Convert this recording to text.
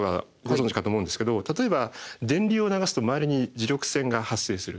ご存じかと思うんですけど例えば電流を流すと周りに磁力線が発生する。